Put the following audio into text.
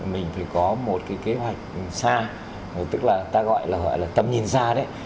mình phải có một cái kế hoạch xa tức là ta gọi là tầm nhìn xa đấy